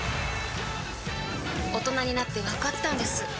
大人になってわかったんです